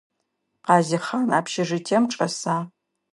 Къазихъан общежитием чӏэса?